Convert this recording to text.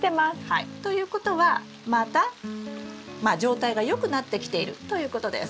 ということはまた状態が良くなってきているということです。